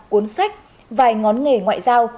cuốn sách vài ngón nghề ngoại giao